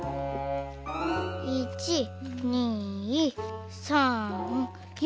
１２３４。